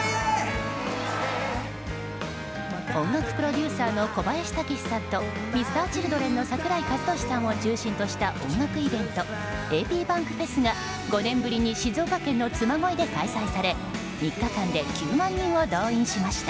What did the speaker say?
音楽プロデューサーの小林武史さんとＭｒ．Ｃｈｉｌｄｒｅｎの櫻井和寿さんを中心とした音楽イベント「ａｐｂａｎｋｆｅｓ」が５年ぶりに静岡県のつま恋で開催され３日間で９万人を動員しました。